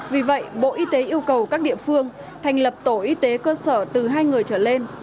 vì vậy bộ y tế yêu cầu các địa phương thành lập tổ y tế cơ sở từ hai người trở lên